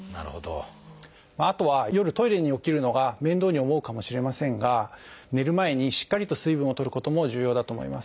あとは夜トイレに起きるのが面倒に思うかもしれませんが寝る前にしっかりと水分をとることも重要だと思います。